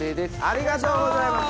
ありがとうございます。